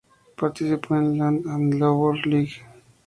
Participó en la "Land and Labour League".